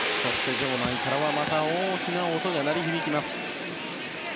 場内からは大きな音が鳴り響きます。